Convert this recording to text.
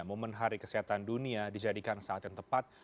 momen hari kesehatan dunia dijadikan saat yang tepat